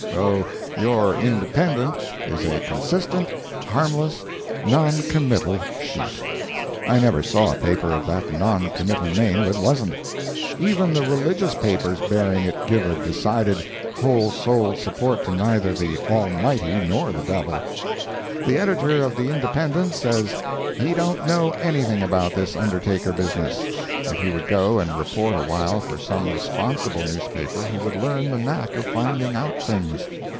Oh, your Independent is a consistent, harmless, non committal sheet. I never saw a paper of that non committal name that wasn't. Even the religious papers bearing it give a decided, whole souled support to neither the Almighty nor the Devil. The editor of the Independent says he don't know anything about this undertaker business. If he would go and report a while for some responsible newspaper, he would learn the knack of finding out things.